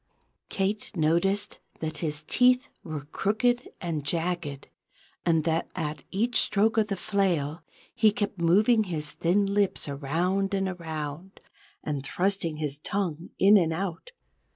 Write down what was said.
Kate noticed that his teeth were crooked and jagged, and that at each stroke of the flail, he kept moving his thin lips around and around, and thrusting his tongue in and out.